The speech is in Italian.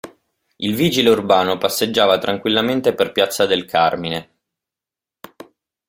Il vigile urbano passeggiava tranquillamente per Piazza del Carmine.